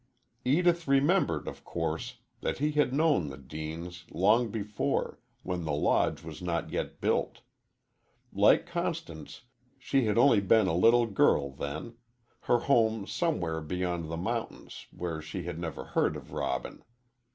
Edith remembered, of course, that he had known the Deanes, long before, when the Lodge was not yet built. Like Constance, she had only been a little girl then, her home somewhere beyond the mountains where she had never heard of Robin.